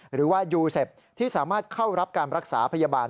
หรือว่ายูเซฟที่สามารถเข้ารับการรักษาพยาบาล